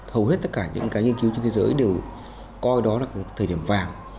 hầu hết tất cả những cái nghiên cứu trên thế giới đều coi đó là thời điểm vàng